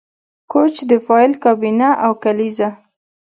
کوچ د فایل کابینه او کلیزه